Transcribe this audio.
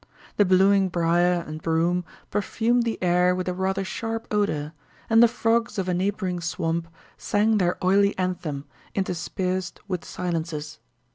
The blooming brier and broom perfumed the air with a rather sharp odor, and the frogs of a neighboring swamp sang their oily anthem, interspersed with silences.